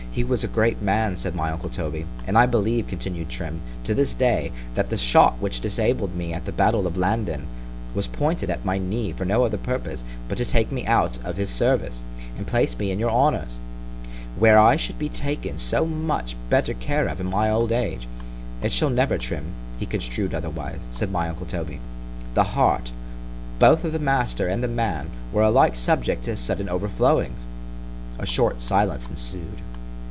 He was a great man, said my uncle Toby——And I believe, continued Trim, to this day, that the shot which disabled me at the battle of Landen, was pointed at my knee for no other purpose, but to take me out of his service, and place me in your honour's, where I should be taken so much better care of in my old age——It shall never, Trim, be construed otherwise, said my uncle Toby. The heart, both of the master and the man, were alike subject to sudden over flowings;——a short silence ensued.